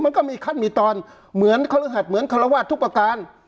มันก็มีขั้นมีตอนเหมือนคณะหรือหัดเหมือนคณะหรือหวัดทุกประการ